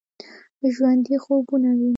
ژوندي خوبونه ويني